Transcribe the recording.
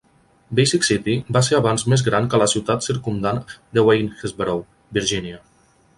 Basic City va ser abans més gran que la ciutat circumdant de Waynesboro, Virgínia.